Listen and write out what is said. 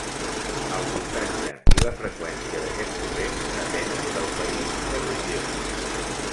El voltatge i la freqüència d'aquest corrent depenen del país o regió.